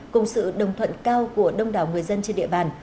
cùng sự đồng thuận cao của đông đảo người dân trên địa bàn